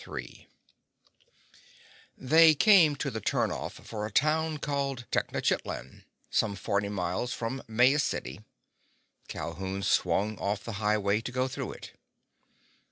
III They came to the turnoff for a town called Tenochitlan, some forty miles from Maya City. Calhoun swung off the highway to go through it.